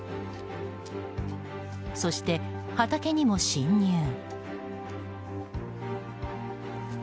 そして畑にも侵入。